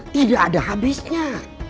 tidak ada habisnya